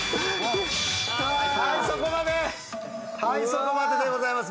そこまででございます。